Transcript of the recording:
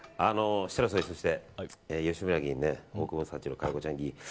設楽総理そして、吉村議員大久保さんちの佳代子ちゃん議員。